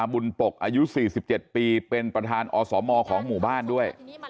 บุญปกอายุ๔๗ปีเป็นประธานอสมของหมู่บ้านด้วย